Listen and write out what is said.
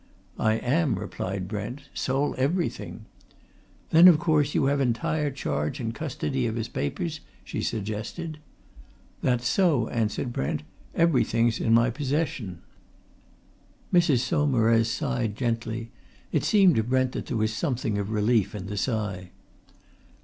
"I am," replied Brent. "Sole everything." "Then, of course, you have entire charge and custody of his papers?" she suggested. "That's so," answered Brent. "Everything's in my possession." Mrs. Saumarez sighed gently; it seemed to Brent that there was something of relief in the sigh.